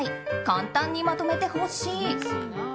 簡単にまとめてほしい。